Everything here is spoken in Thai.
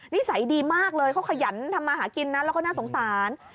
นิสัยดีมากเลยเขาขยันทำมาหากินนะแล้วก็น่าสงสาร